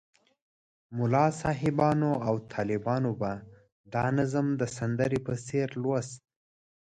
ملا صاحبانو او طالبانو به دا نظم د سندرې په څېر لوست.